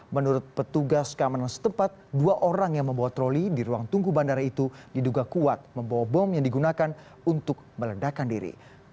menurut petugas keamanan setempat dua orang yang membawa troli di ruang tunggu bandara itu diduga kuat membawa bom yang digunakan untuk meledakan diri